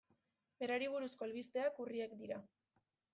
Berari buruzko albisteak urriak dira.